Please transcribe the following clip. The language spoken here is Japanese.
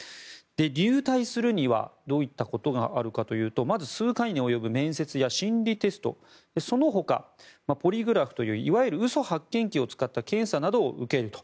入隊するにはどういったことがあるかというとまず、数回に及ぶ面接や心理テストその他、ポリグラフといういわゆる嘘発見器を使った検査などを受けると。